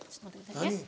何？